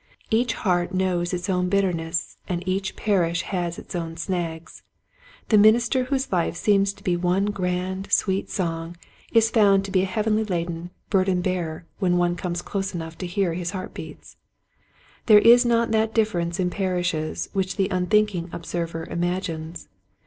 Each heart knows its own bitterness and each parish has its own snags. The minister whose life seems to be one grand, sweet song is found to be a heavily laden burden bearer when one comes close enough to hear his heart beats. There is not that difference in parishes which the unthinking observer imagines.